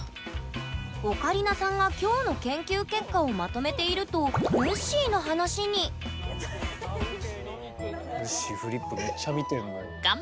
オカリナさんが今日の研究結果をまとめているとぬっしーフリップめっちゃ見てるもん。